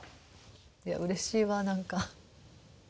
いやうれしいわ何か。